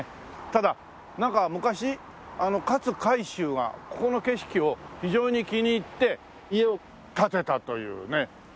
ただなんか昔勝海舟がここの景色を非常に気に入って家を建てたというね。